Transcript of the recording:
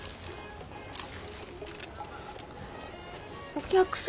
お客様。